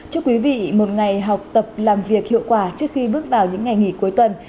chúc quý vị một ngày học tập làm việc hiệu quả trước khi bước vào những ngày nghỉ cuối tuần